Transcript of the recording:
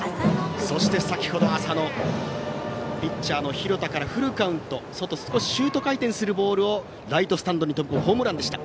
そして先程浅野、ピッチャーの廣田からフルカウント、外、少しシュート回転するボールをライトスタンドへ飛ぶホームランでした。